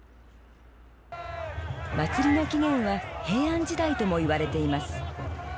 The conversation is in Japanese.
祭りの起源は平安時代ともいわれています。